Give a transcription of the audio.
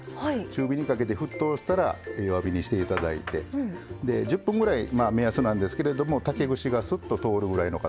中火にかけて沸騰したら弱火にして頂いてで１０分ぐらい目安なんですけれども竹串がスッと通るぐらいのかたさ。